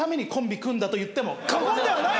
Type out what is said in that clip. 過言ではない。